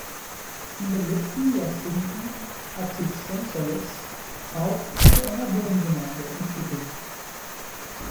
In den letzten Jahrzehnten hat sich Semsales auch zu einer Wohngemeinde entwickelt.